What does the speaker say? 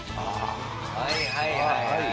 はいはいはいはい。